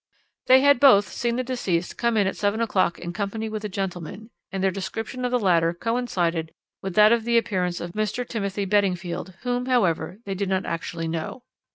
They had both seen the deceased come in at seven o'clock in company with a gentleman, and their description of the latter coincided with that of the appearance of Mr. Timothy Beddingfield, whom, however, they did not actually know.